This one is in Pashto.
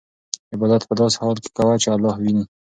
عبادت په داسې حال کې کوه چې الله وینې.